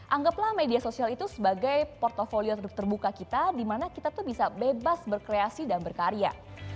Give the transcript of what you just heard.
anggaplah media sosial itu sebagai portfolio terbuka kita dimana kita tuh bisa bebas berkreasi dan berkarya